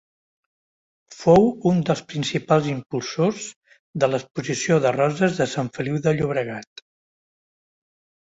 Fou un dels principals impulsors de l'Exposició de Roses de Sant Feliu de Llobregat.